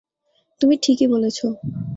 তুমি ঠিকই বলেছ।